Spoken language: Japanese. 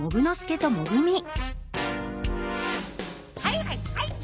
「はいはいはい」